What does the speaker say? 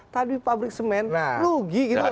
tapi pabrik semen rugi gitu pak